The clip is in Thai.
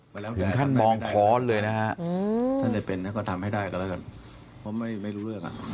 เพียงค่านมองเลยนะถ้าได้เป็นก็ทำให้ได้ก็แล้วด้วยนะเพราะไม่ไม่รู้เรื่องไม่ฟัง